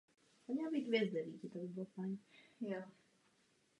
Avšak velmi divné společnosti.